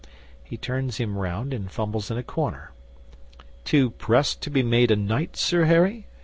'He turns him round and fumbles in a corner. "Too pressed to be made a knight, Sir Harry?"